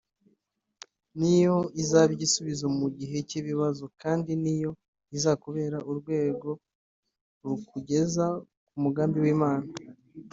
niyo izaba ibisubizo mu gihe cy' ibibazo kandi niyo izakubera urwego rukugeza ku mugambi w'Imana